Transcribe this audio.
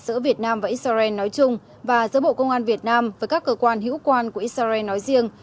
giữa việt nam và israel nói chung và giữa bộ công an việt nam với các cơ quan hữu quan của israel nói riêng